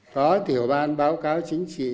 có tiểu ban báo cáo chính trị